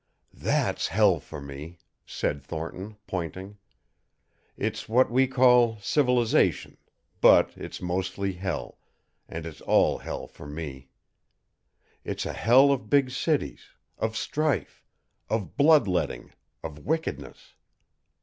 "THAT'S hell for me!" said Thornton, pointing. "It's what we call civilization but it's mostly hell, and it's all hell for me. It's a hell of big cities, of strife, of blood letting, of wickedness.